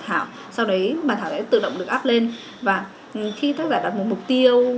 thảo sau đấy bản thảo sẽ tự động được up lên và khi tác giả đặt một mục tiêu